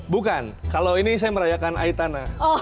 bukan kalau ini saya merayakan aitana